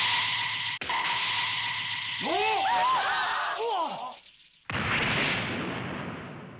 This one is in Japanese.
「うわ！」